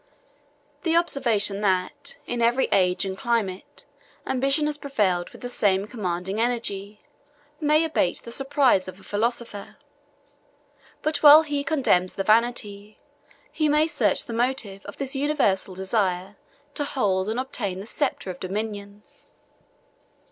The observation that, in every age and climate, ambition has prevailed with the same commanding energy, may abate the surprise of a philosopher: but while he condemns the vanity, he may search the motive, of this universal desire to obtain and hold the sceptre of dominion.